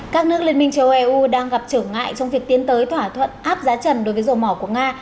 các nước liên minh châu âu đang gặp trở ngại trong việc tiến tới thỏa thuận áp giá trần đối với dầu mỏ của nga